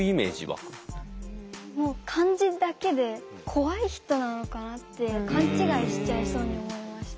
もう漢字だけで怖い人なのかなって勘違いしちゃいそうに思いました。